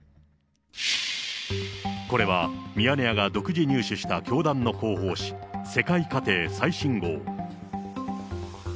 これは、ミヤネ屋が独自入手した教団の広報誌、世界家庭最新号。